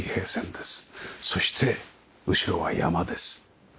そして後ろは山です。